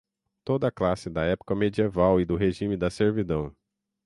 toda classe da época medieval e do regime da servidão